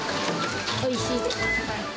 おいしいです。